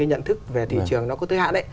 nhận thức về thị trường nó có tới hạn